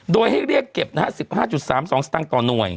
โดยให้เรียกเก็บ๑๕๓๒สตางค์ต่อหน่วย